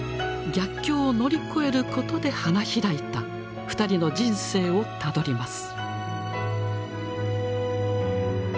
逆境を乗り越えることで花開いた二人の人生をたどります。